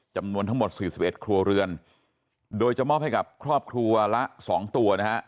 จำนวนทั้งหมด๔๑ครัวเรือนโดยจะมอบให้กับครอบครัวละ๒ตัวนะฮะ